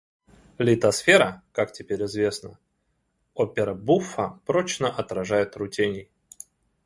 Литосфера, как теперь известно, опера-буффа прочно отражает рутений.